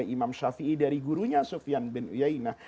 imam syafi'i dari gurunya sufyan bin uyainah